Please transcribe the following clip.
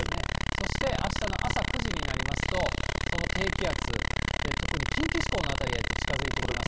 そしてあしたの朝９時になりますと、その低気圧、特に近畿地方の辺りへと近づいてきます。